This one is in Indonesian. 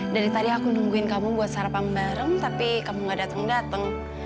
dari tadi aku nungguin kamu buat sarapan bareng tapi kamu gak datang datang